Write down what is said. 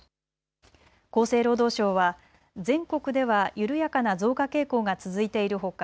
厚生労働省は全国では緩やかな増加傾向が続いているほか